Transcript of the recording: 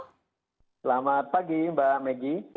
selamat pagi mbak maggie